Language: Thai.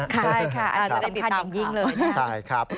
ใช่ค่ะจะได้ติดตามอย่างยิ่งเลย